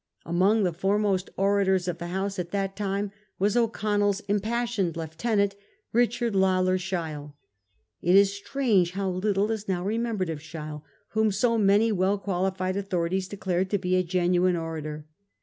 Among the foremost orators of the House at that time was O'Connell's impassioned lieutenant, Richard Lalor Sheil. It is curious how little is now remem bered of Sheil, whom so many well qualified authori ties declared to be a genuine orator.